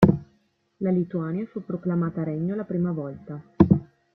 La Lituania fu proclamata regno la prima volta.